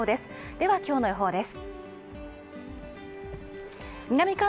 では今日の予報です。